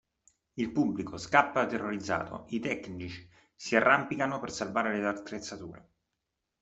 Il pubblico scappa terrorizzato, i tecnici si arrampicano per salvare le attrezzature.